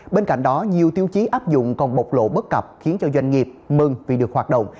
bên cạnh đó nhiều tiêu chí áp dụng còn bộc lộ bất cập khiến cho doanh nghiệp mừng vì được hoạt động